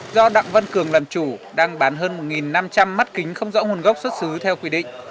do đặng văn cường làm chủ đang bán hơn một năm trăm linh mắt kính không rõ nguồn gốc xuất xứ theo quy định